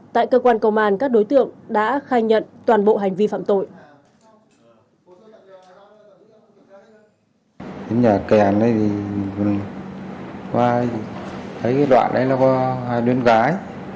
tại cơ quan công an các đối tượng đã khai nhận toàn bộ hành vi phạm tội